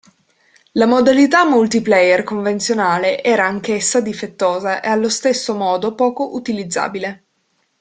La modalità multiplayer convenzionale era anch'essa difettosa e allo stesso modo poco utilizzabile.